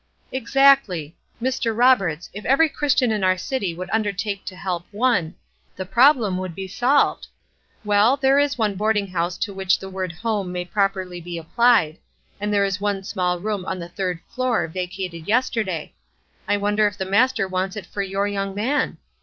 "Exactly! Mr. Roberts, if every Christian in our city would undertake to help one, the problem would be solved. Well, there is one boarding house to which the word 'home' may properly be applied; and there is one small room on the third floor vacated yesterday. I wonder if the Master wants it for your young man?